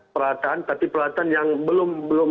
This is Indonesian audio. peralatan tapi peralatan yang belum